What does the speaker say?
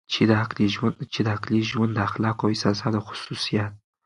چې د عقلې ژوند د اخلاقو احساسات او خصوصیات